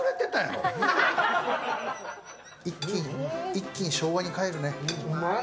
一気に昭和に帰るね。